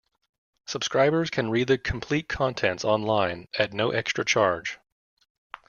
Subscribers can read the complete contents online at no extra charge.